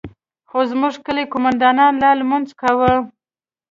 خو زموږ د كلي قومندان لا لمونځ كاوه.